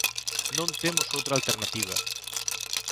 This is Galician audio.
Non temos outra alternativa.